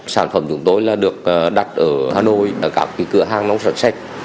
sản phẩm chúng tôi là được đặt ở hà nội ở các cửa hàng nông sản sách